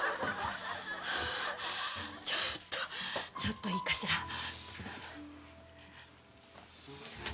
ちょっとちょっといいかしら。